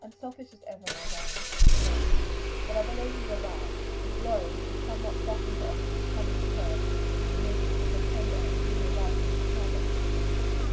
"Unselfish as ever, my darling," he said, "but I believe you are right that the blow will be somewhat softened to Elsie coming to her through the medium of her tender and dearly loved mother."